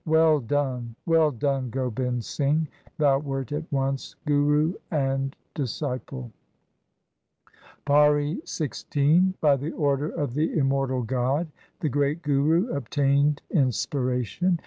Well done ! well done Gobind Singh ! thou wert at once Guru and disciple ! Pauri 16 By the or der of the immortal God the great Guru obtained inspiration.